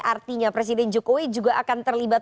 artinya presiden jokowi juga akan terlibat